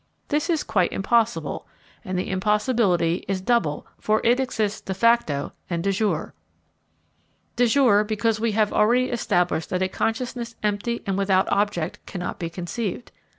This is quite impossible, and the impossibility is double, for it exists de facto and de jure. De jure, because we have already established that a consciousness empty and without object cannot be conceived.